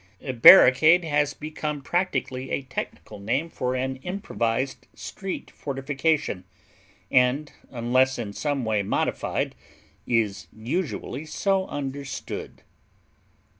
Barricade has become practically a technical name for an improvised street fortification, and, unless in some way modified, is usually so understood.